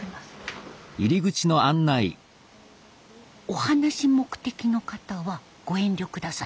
「お話目的の方はご遠慮下さい」。